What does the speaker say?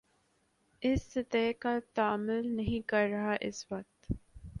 اس سطح کا تعامل نہیں کر رہا اس وقت